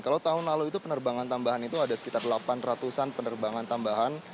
kalau tahun lalu itu penerbangan tambahan itu ada sekitar delapan ratus an penerbangan tambahan